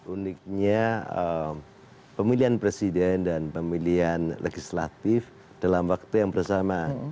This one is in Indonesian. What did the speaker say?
uniknya pemilihan presiden dan pemilihan legislatif dalam waktu yang bersama